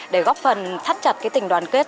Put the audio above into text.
để góp phần thắt chặt cái tình đoàn kết